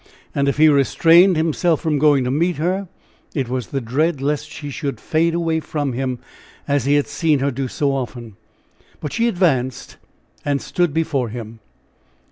And if he restrained himself from going to meet her, it was the dread lest she should fade away from him as he had seen her do so often. But she advanced and stood before him.